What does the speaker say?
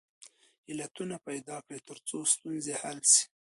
علتونه پیدا کړئ ترڅو ستونزې حل سي.